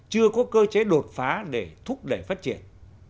chưa có cơ chế đột phá để thúc đẩy phát triển